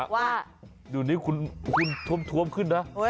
ว่าอยู่คุณทวมผมขึ้นนะ